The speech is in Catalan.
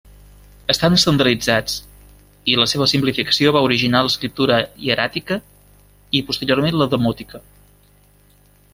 Estan estandarditzats i la seva simplificació va originar l'escriptura hieràtica i posteriorment la demòtica.